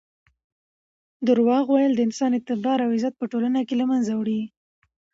درواغ ویل د انسان اعتبار او عزت په ټولنه کې له منځه وړي.